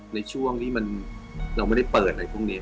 ในช่วงที่เราไม่ได้เปิด